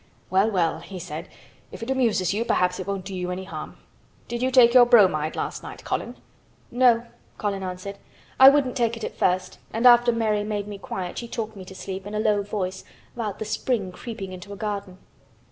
"Well, well," he said. "If it amuses you perhaps it won't do you any harm. Did you take your bromide last night, Colin?" "No," Colin answered. "I wouldn't take it at first and after Mary made me quiet she talked me to sleep—in a low voice—about the spring creeping into a garden."